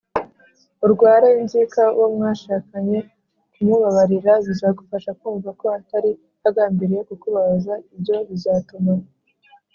urware inzika uwo mwashakanye kumubabarira bizagufasha kumva ko atari agambiriye kukubabaza Ibyo bizatuma